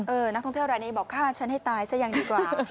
นักท่องเที่ยวรายนี้บอกฆ่าฉันให้ตายซะยังดีกว่า